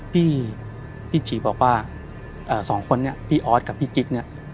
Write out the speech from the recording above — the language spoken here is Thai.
พี่จีบอกว่าสองคนนี้พี่ออสกับพี่กิ๊กเนี่ย